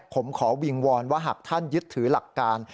ผมขอวิงวอนว่าหากท่านยึดถือหลักการ